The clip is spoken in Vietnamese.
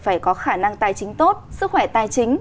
phải có khả năng tài chính tốt sức khỏe tài chính